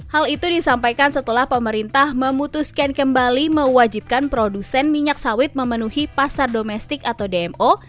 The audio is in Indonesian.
hal itu disampaikan setelah pemerintah memutuskan kembali mewajibkan produsen minyak sawit memenuhi pasar domestik atau dmo